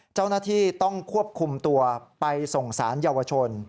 เจ้าหน้าที่ต้องควบคุมตัวไปส่งสารเยาวชน